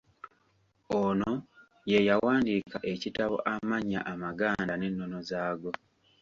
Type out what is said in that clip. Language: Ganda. Ono ye yawandiika ekitabo Amannya amaganda n'ennono zaago.